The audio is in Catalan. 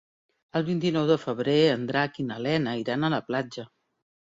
El vint-i-nou de febrer en Drac i na Lena iran a la platja.